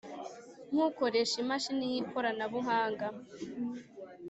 Nk ukoresha imashini y ikoranabuhanga